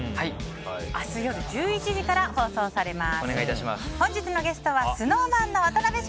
明日夜１１時から放送されます。